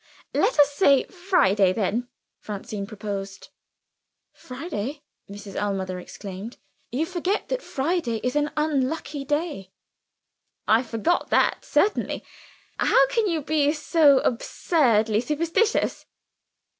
"Let us say Friday, then," Francine proposed. "Friday!" Mrs. Ellmother exclaimed. "You forget that Friday is an unlucky day." "I forgot that, certainly! How can you be so absurdly superstitious."